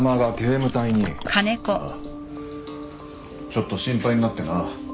ちょっと心配になってな。